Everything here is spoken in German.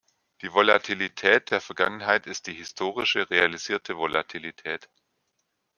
Die Volatilität der Vergangenheit ist die „historische realisierte Volatilität“.